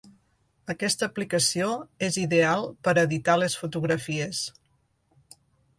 Aquesta aplicació és ideal per editar les fotografies.